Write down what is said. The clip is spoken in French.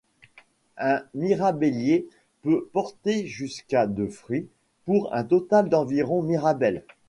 Un mirabellier peut porter jusqu'à de fruits, pour un total d'environ mirabelles.